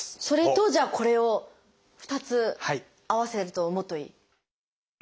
それとじゃあこれを２つ合わせるともっといい。